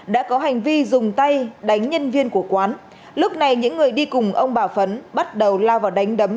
đã có hành vi dùng tay đánh nhân viên của quán lúc này những người đi cùng ông bà phấn bắt đầu lao vào đánh đấm